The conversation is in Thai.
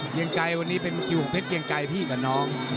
เกียงไกรวันนี้เป็นคิวของเพชรเกียงไกรพี่กับน้อง